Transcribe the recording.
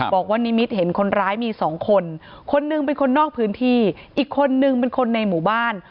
นิมิตเห็นคนร้ายมีสองคนคนหนึ่งเป็นคนนอกพื้นที่อีกคนนึงเป็นคนในหมู่บ้าน